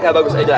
ya bagus segar